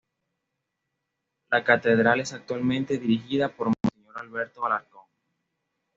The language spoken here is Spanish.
La catedral es actualmente dirigida por Monseñor Alberto Alarcón.